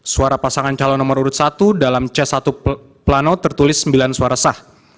suara pasangan calon nomor urut satu dalam c satu plano tertulis sembilan suara sah